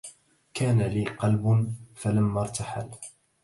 كان لي قلب فلما ارتحل